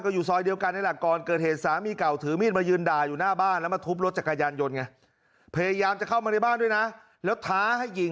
เพราะเกรงว่าสามีเก่าจะเข้ามาทำร้ายครับ